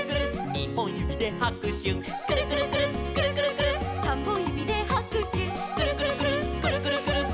「にほんゆびではくしゅ」「くるくるくるっくるくるくるっ」「さんぼんゆびではくしゅ」「くるくるくるっくるくるくるっ」